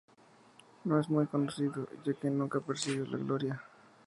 No es muy conocido, ya que nunca persiguió la gloria.